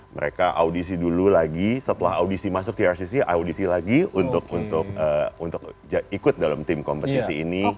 mereka audisi dulu lagi setelah audisi masuk trcc audisi lagi untuk ikut dalam tim kompetisi ini